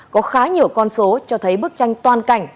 có khá nhiều con số cho thấy bức tranh toàn cảnh